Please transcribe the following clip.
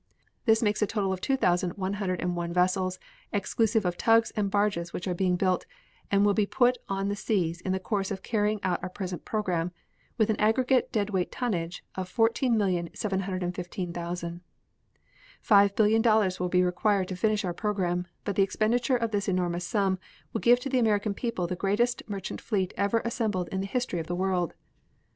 This makes a total of two thousand one hundred and one vessels, exclusive of tugs and barges which are being built and will be put on the seas in the course of carrying out the present program, with an aggregate dead weight tonnage of 14,715,000. Five billion dollars will be required to finish our program, but the expenditure of this enormous sum will give to the American people the greatest merchant fleet ever assembled in the history of the world.